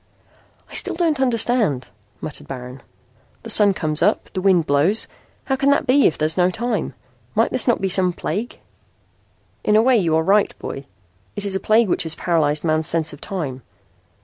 "I still don't understand," muttered Baron. "The sun comes up. The wind blows. How can that be if there is no time? Might this not be some plague?" "In a way you are right, boy. It is a plague which has paralyzed man's sense of time.